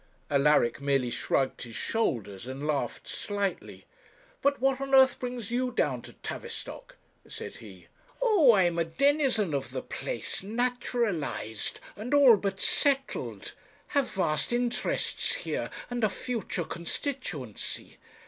Alaric merely shrugged his shoulders, and laughed slightly. 'But what on earth brings you down to Tavistock?' said he. 'Oh! I am a denizen of the place, naturalized, and all but settled; have vast interests here, and a future constituency.